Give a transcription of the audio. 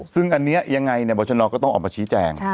ซึ่งอันนี้ยังไงบรชนก็ต้องออกมาชี้แจง